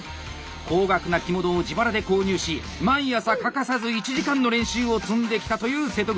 高額な着物を自腹で購入し毎朝欠かさず１時間の練習を積んできたという瀬戸口。